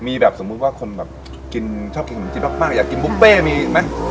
มีแบบสมมุติว่าคนแบบกินชอบกินขนมจีนมากอยากกินบุฟเฟ่มีไหม